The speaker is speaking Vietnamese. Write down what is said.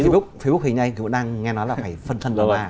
facebook hình như anh cũng đang nghe nói là phải phân thân vào mà